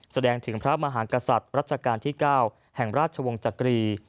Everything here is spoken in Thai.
แสดงถึงพระมหากษัตริย์รัชกาลที่๙แห่งราชวงศ์จักรี